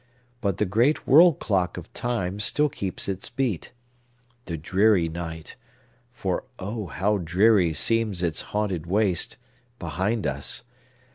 But the great world clock of Time still keeps its beat. The dreary night—for, oh, how dreary seems its haunted waste, behind us!